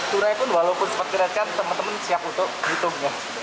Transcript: tunai pun walaupun seperti rakyat kan teman teman siap untuk hitungnya